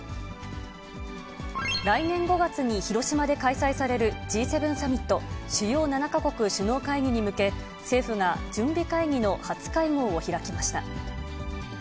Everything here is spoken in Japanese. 来年５月に広島で開催されるＧ７サミット・主要７か国首脳会議に向け、政府が準備会議の初会合を開きました。